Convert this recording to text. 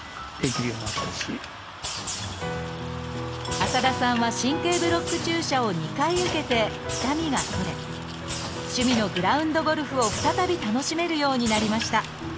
浅田さんは神経ブロック注射を２回受けて痛みが取れ趣味のグラウンドゴルフを再び楽しめるようになりました。